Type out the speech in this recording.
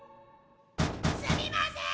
・すみません！